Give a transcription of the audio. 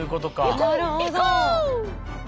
なるほど。